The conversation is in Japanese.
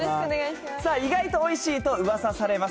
さあ、意外とおいしいと、うわさされます